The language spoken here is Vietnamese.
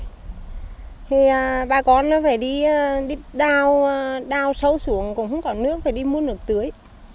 thì bà con nó phải đi đao sâu xuống còn không có nước phải đi mua nước tưới